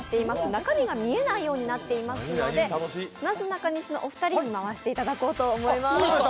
中身が見えないようになっておりますのでなすなかにしのお二人に回していただこうと思います。